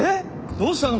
どうしたの？